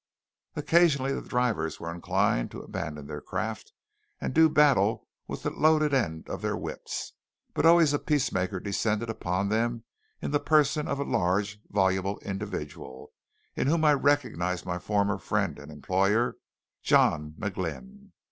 Occasionally the drivers were inclined to abandon their craft and do battle with the loaded ends of their whips; but always a peacemaker descended upon them in the person of a large voluble individual in whom I recognized my former friend and employer, John McGlynn.